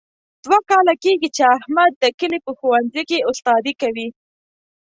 دوه کاله کېږي، چې احمد د کلي په ښوونځۍ کې استادي کوي.